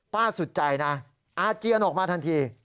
สุดใจนะอาเจียนออกมาทันที